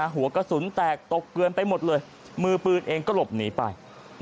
หัวกระสุนแตกตกเกลือนไปหมดเลยมือปืนเองก็หลบหนีไป